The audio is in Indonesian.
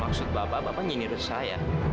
maksud bapak bapak nyinyir saya